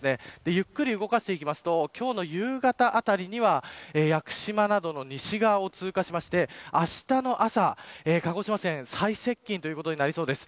ゆっくり動かしていくと今日の夕方あたりには屋久島などの西側を通過してあしたの朝、鹿児島県に最接近となりそうです。